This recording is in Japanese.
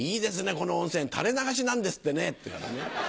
この温泉垂れ流しなんですってね！」って言うからね。